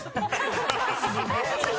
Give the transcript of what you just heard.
すごいな！